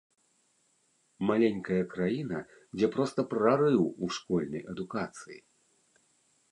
Маленькая краіна, дзе проста прарыў у школьнай адукацыі.